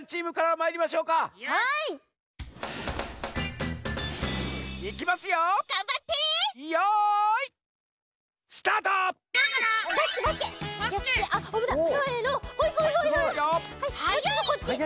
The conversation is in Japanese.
もうちょっとこっち！